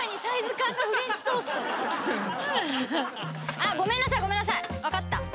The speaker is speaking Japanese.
あっごめんなさいごめんなさい。